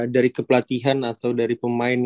dari kepelatihan atau dari pemain